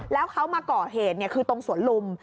แล้วเขามาก่อเหตุคือตรงสวนลุม